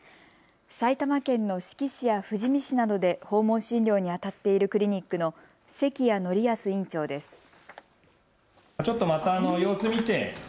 埼玉県の志木市や富士見市などで訪問診療にあたっているクリニックの関谷徳泰院長です。